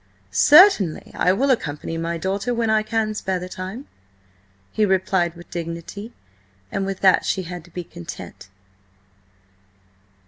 "Certainly I will accompany my daughter when I can spare the time," he replied with dignity, and with that she had to be content.